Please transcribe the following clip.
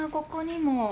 ここにも。